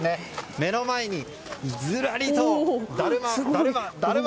目の前にずらりとだるま、だるま、だるま！